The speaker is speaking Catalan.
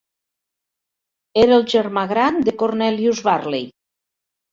Era el germà gran de Cornelius Varley.